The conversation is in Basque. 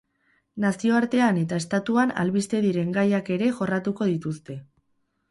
Nazioartean eta estatuan albiste diren gaiak ere jorratuko dituzte.